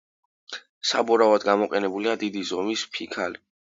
საბურავად გამოყენებულია დიდი ზომის ფიქალი.